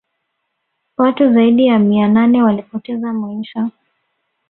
watu zaidi ya mia nane walipoteza maisha